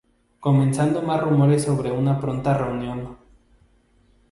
Comenzando más rumores sobre una pronta reunión.